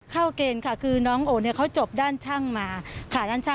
เข้าเกณฑ์ค่ะคือน้องโอเนี่ยเขาจบด้านช่างมาค่ะ